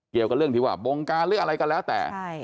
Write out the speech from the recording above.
เกี่ยวกับเรื่องที่ว่าบงการหรืออะไรก็แล้วแต่